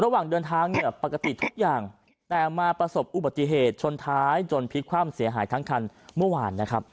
ระหว่างเดินทางเนี่ยปกติทุกอย่างแต่มาประสบอุบัติเหตุชนท้ายจนพลิกคว่ำเสียหายทั้งคันเมื่อวานนะครับ